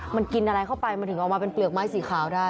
มันกินอะไรเข้าไปมันถึงออกมาเป็นเปลือกไม้สีขาวได้